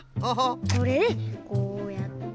これでこうやって。